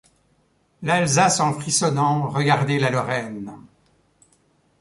L'Alsace en frissonnant regarder la Lorraine !